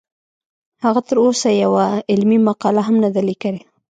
هغه تر اوسه یوه علمي مقاله هم نه ده لیکلې